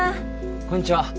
こんにちは